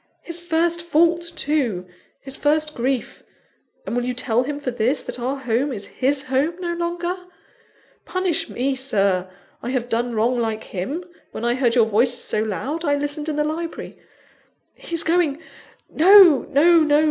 His first fault, too! his first grief! And will you tell him for this, that our home is his home no longer? Punish me, Sir! I have done wrong like him; when I heard your voices so loud, I listened in the library. He's going! No, no, no!